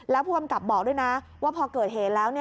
แล้วผู้กำกับบอกด้วยนะว่าพอเกิดเหตุแล้ว